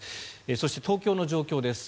そして東京の状況です。